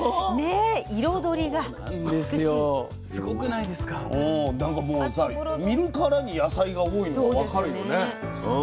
なんかもうさ見るからに野菜が多いの分かるよね。